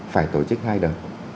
phải tổ chức hai đợt